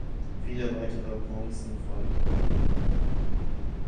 Viele weitere Bronzen folgten.